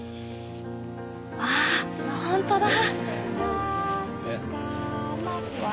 わあほんとだ！